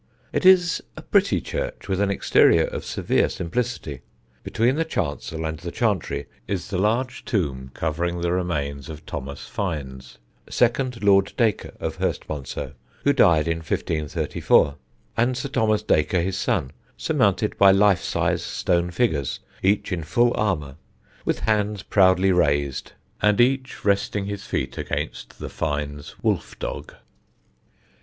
It is a pretty church with an exterior of severe simplicity. Between the chancel and the chantry is the large tomb covering the remains of Thomas Fiennes, second Lord Dacre of Hurstmonceux, who died in 1534, and Sir Thomas Dacre his son, surmounted by life size stone figures, each in full armour, with hands proudly raised, and each resting his feet against the Fiennes wolf dog.